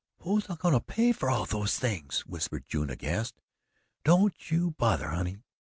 "Who's a goin' to pay fer all these things?" whispered June, aghast. "Don't you bother, honey.